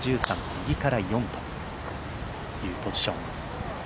１３、右から４というポジション。